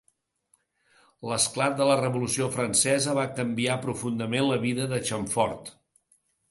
L'esclat de la Revolució Francesa va canviar profundament la vida de Chamfort.